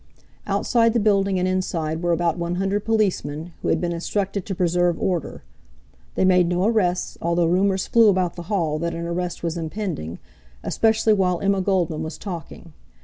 Outside the building and inside were about [1?]00 policemen, who had been instructed to preserve order. They made no arrests, although rumors flew about the hall that an arrest was impending, especially while Emma Goldman was talking.